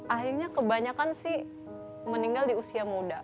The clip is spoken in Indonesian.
akhirnya kebanyakan sih meninggal di usia muda